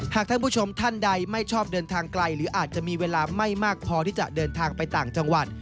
ท่านผู้ชมท่านใดไม่ชอบเดินทางไกลหรืออาจจะมีเวลาไม่มากพอที่จะเดินทางไปต่างจังหวัด